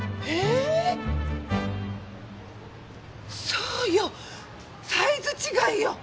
そうよサイズ違いよ。